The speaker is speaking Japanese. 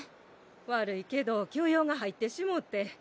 悪いけど急用が入ってしもて